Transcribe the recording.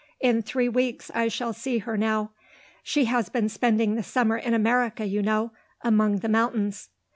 In three weeks I shall see her now. She has been spending the summer in America, you know; among the mountains."